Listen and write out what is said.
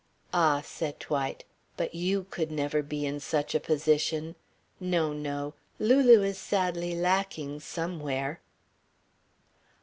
"Ah," said Dwight, "but you could never be in such a position. No, no. Lulu is sadly lacking somewhere."